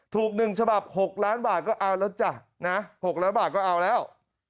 ๑ฉบับ๖ล้านบาทก็เอาแล้วจ้ะนะ๖ล้านบาทก็เอาแล้ว